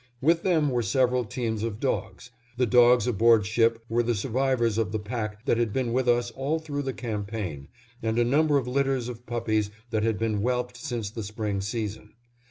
With them were several teams of dogs. The dogs aboard ship were the survivors of the pack that had been with us all through the campaign, and a number of litters of puppies that had been whelped since the spring season.